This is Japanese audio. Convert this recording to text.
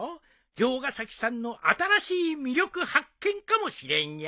城ヶ崎さんの新しい魅力発見かもしれんよ。